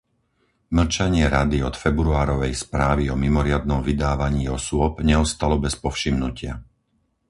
Mlčanie Rady od februárovej správy o mimoriadnom vydávaní osôb neostalo bez povšimnutia.